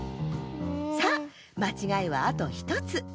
さあまちがいはあと１つ。